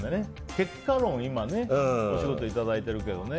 結果論、今ねお仕事いただいてるけどね。